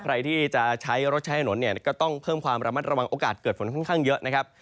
ใครที่จะใช้รถใช้ถนนเนี่ยก็ต้องเพิ่มความระมัดระวังโอกาสเกิดฝนค่อนข้างเยอะนะครับ